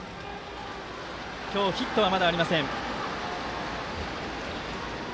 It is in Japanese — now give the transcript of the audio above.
今日ヒットはまだありません。